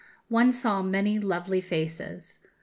One saw many lovely faces....